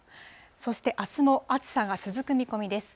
そしてあすも、暑さが続く見込みです。